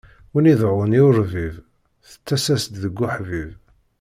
Win ideɛɛun i urbib, tettas-as-d deg uḥbib.